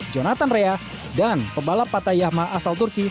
jonathan rea dan pembalap pata yamaha asal turki